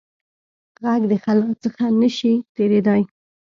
غږ د خلا څخه نه شي تېرېدای.